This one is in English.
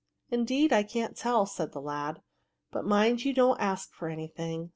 " Indeed, I can't tell," said the lad {" but mind you don't ask for any thing.